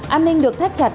an ninh được thắt chặt